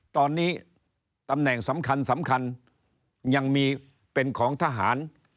ตอนนี้ตำแหน่งสำคัญสำคัญยังมีเป็นของทหาร